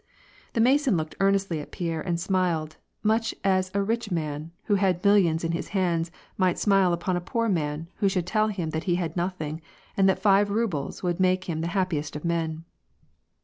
The Mason looked earnestly at Pierre and smiled, much as a rich man, who had millions in his hands, might smile upon a poor man, who should tell him that he had nothing, and that five rubles would make him the happiest of men.